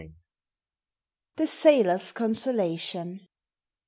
THE SAILOR'S CONSOLATION.